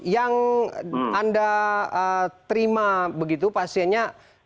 yang anda terima begitu pasiennya